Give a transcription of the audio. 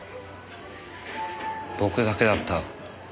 僕だけだった。